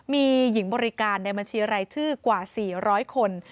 มีหญิงบริการในบัญชีรายชื่อกว่า๔๐๐คน